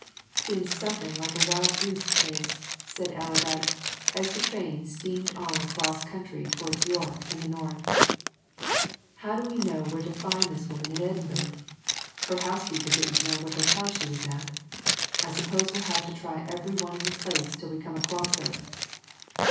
"Seems something like a wild goose chase," said Allerdyke as the train steamed on across country towards York and the North. "How do we know where to find this woman in Edinburgh? Her housekeeper didn't know what hotel she was at I suppose we'll have to try every one in the place till we come across her!"